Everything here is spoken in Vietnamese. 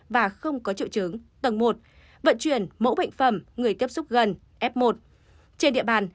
và không có triệu chứng tầng một vận chuyển mẫu bệnh phẩm người tiếp xúc gần f một trên địa bàn